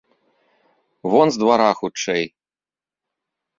Вон з двара хутчэй!